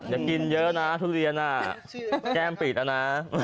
อย่ากินเยอะนะทุเรียนแก้มปิดนะ